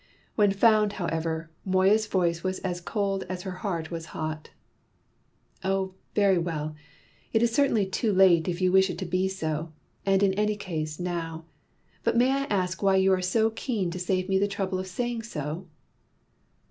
When found, however, Moya's voice was as cold as her heart was hot. "Oh, very well! It is certainly too late if you wish it to be so, and in any case now. But may I ask why you are so keen to save me the trouble of saying so?"